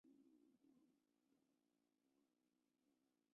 多齿安蛛为栉足蛛科安蛛属的动物。